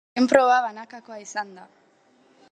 Azken proba banakakoa izan da.